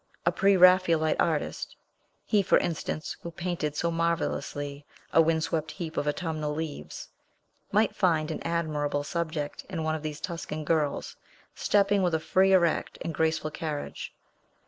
A pre Raphaelite artist (he, for instance, who painted so marvellously a wind swept heap of autumnal leaves) might find an admirable subject in one of these Tuscan girls, stepping with a free, erect, and graceful carriage.